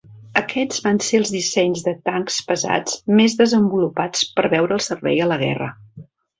Aquests van ser els dissenys de tancs pesats més desenvolupats per veure el servei a la guerra.